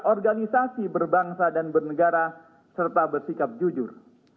organisasi berbangsa dan bernegara serta bersikap jujur